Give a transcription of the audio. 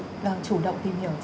chủ động tìm hiểu